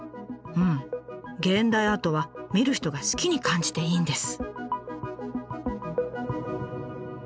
うん現代アートは見る人が好きに感じていいんです。